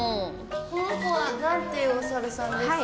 この子はなんていうお猿さんですか？